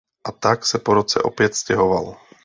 A tak se po roce opět stěhoval.